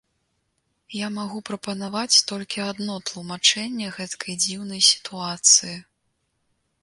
Я магу прапанаваць толькі адно тлумачэнне гэткай дзіўнай сітуацыі.